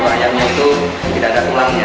ayahnya itu tidak ada tulangnya